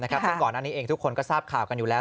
ข้างก่อนนั้นทุกคนก็ทราบข่าวกันอยู่แล้ว